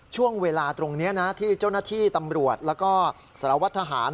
ช่วงเวลาตรงนี้นะที่เจ้าหน้าที่ตำรวจแล้วก็สารวัตรทหาร